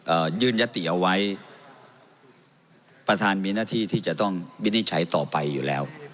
ยื่นยติเอาไว้ประธานมีหน้าที่ที่จะต้องวินิจฉัยต่อไปอยู่แล้ว